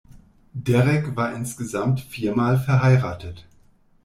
Derek war insgesamt viermal verheiratet.